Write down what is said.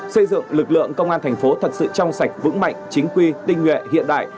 xây dựng lực lượng công an thành phố thật sự trong sạch vững mạnh chính quy tinh nguyện hiện đại